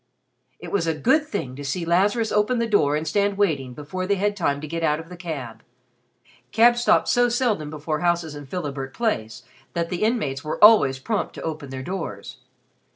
It was a good thing to see Lazarus open the door and stand waiting before they had time to get out of the cab. Cabs stopped so seldom before houses in Philibert Place that the inmates were always prompt to open their doors.